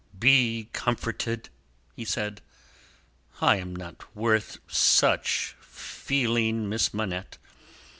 "Be comforted!" he said, "I am not worth such feeling, Miss Manette.